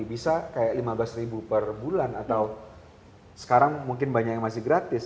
bisa kayak lima belas ribu per bulan atau sekarang mungkin banyak yang masih gratis